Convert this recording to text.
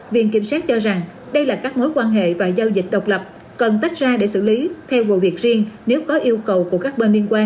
viện kiểm sát cho rằng đây là các mối quan hệ và giao dịch độc lập cần tách ra để xử lý theo vụ việc riêng nếu có yêu cầu của các bên liên quan